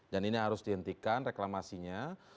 dan ini harus dihentikan reklamasinya